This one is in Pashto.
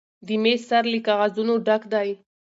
د میز سر له کاغذونو ډک دی.